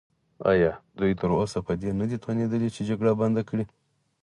ایا دوی تراوسه په دې نه دي توانیدلي چې جګړه بنده کړي؟